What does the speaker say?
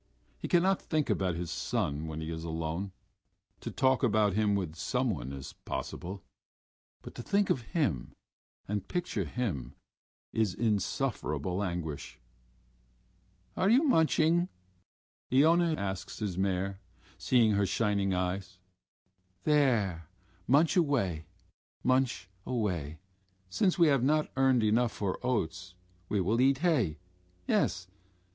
He cannot think about his son when he is alone.... To talk about him with someone is possible, but to think of him and picture him is insufferable anguish.... "Are you munching?" Iona asks his mare, seeing her shining eyes. "There, munch away, munch away.... Since we have not earned enough for oats, we will eat hay.... Yes